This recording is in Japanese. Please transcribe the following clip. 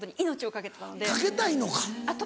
かけたいのか。